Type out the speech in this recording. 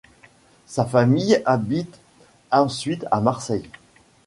Sa famille habite ensuite à Marseille.